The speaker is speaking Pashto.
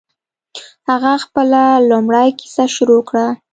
هغه خپله لومړۍ کیسه شروع کړه.